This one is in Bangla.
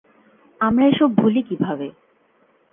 আমরা এসব ভুলি কীভাবে?